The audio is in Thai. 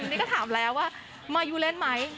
นี่ก็ถามแล้วว่ามายูเล่นไหม